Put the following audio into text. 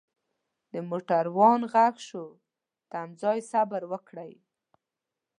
دموټروان ږغ شو ترتمځای صبروکړئ.